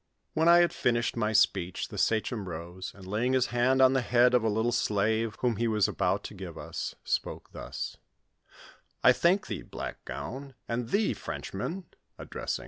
When I had finished my speech, the sachem rose, and lay* ing his hand on the head of a little slave, whom he was about to give us, spoke thus :" I thank thee, Blackgown, and thee, Frenchman," addressing M.